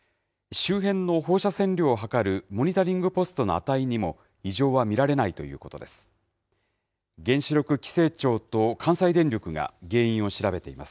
周辺の放射線量をはかるモニタリングポストの値にも異常は見られないということです。